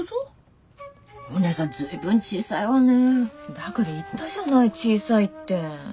だから言ったじゃない小さいって。